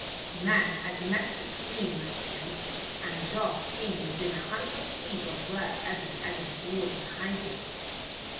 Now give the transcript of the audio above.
The man had the mastiff Queen with him and the dog came within a hundred feet of where Adam Adams was in hiding.